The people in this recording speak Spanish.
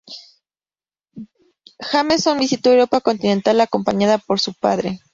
Jameson visitó Europa continental acompañada por su padre.